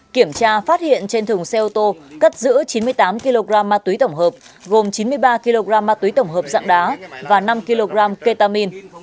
kiểm tra phát hiện trên thùng xe ô tô cất giữ chín mươi tám kg ma túy tổng hợp gồm chín mươi ba kg ma túy tổng hợp dạng đá và năm kg ketamin